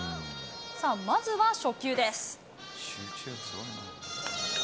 さあ、まずは初球です。